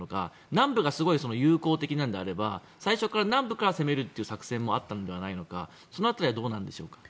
南部がすごい有効的なのであれば最初から南部から攻めるという作戦もあったのではないのかその辺りはどうなんでしょう。